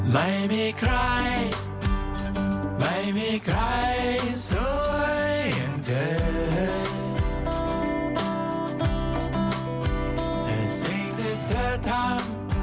ถ้าไม่รู้ว่าสิ่งที่เธอทำ